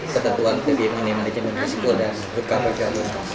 ketentuan kegiatan manajemen risiko dan berkabar galus